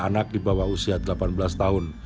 anak di bawah usia delapan belas tahun